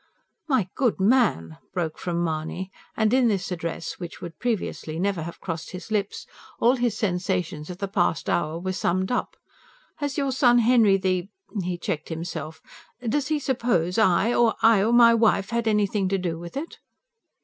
"My good man!" broke from Mahony and in this address, which would previously never have crossed his lips, all his sensations of the past hour were summed up. "Has your son Henry the" he checked himself; "does he suppose I I or my wife had anything to do with it?"